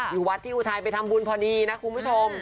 อยู่วัดที่อุทัยไปทำบุญพอดีนะคุณผู้ชม